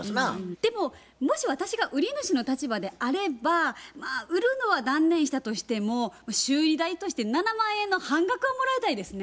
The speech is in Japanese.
でももし私が売り主の立場であれば売るのは断念したとしても修理代として７万円の半額はもらいたいですね。